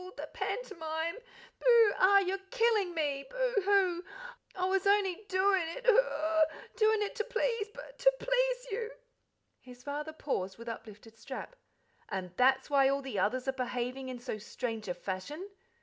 hoo the pant'mime! boo hoo! ah h h h you're killing me! hoo boo! I was only d doin' it oh hoo ah h h! d oin' it to p please boo oo oo! to p please you!" His father paused with uplifted strap. "And that's why all the others are behaving in so strange a fashion?